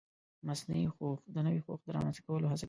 مصنوعي هوښ د نوي هوښ د رامنځته کولو هڅه کوي.